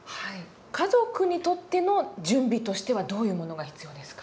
家族にとっての準備としてはどういうものが必要ですか？